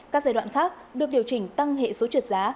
các giai đoạn khác được điều chỉnh tăng hệ số trượt giá